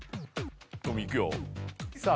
トミーいくよさあ